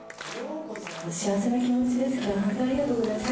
幸せな気持ちです、きょうは本当にありがとうございます。